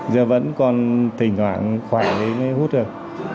giờ vẫn còn thỉnh thoảng khoảng đấy mới hút được